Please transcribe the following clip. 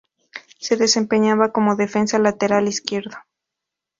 Se desempeñaba como defensa lateral izquierdo.